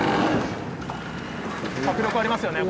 迫力ありますよね